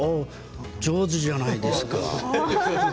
上手じゃないですか。